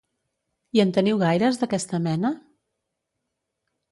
I en teniu gaires d'aquesta mena?